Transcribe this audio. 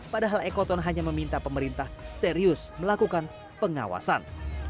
padahal ekoton hanya meminta pemerintah serius melakukan pengawasan